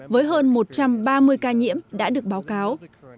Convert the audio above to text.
với hơn một trăm ba mươi ca nhiễm đã được báo cáo